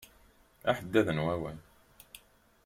Aḥeddad n wawal.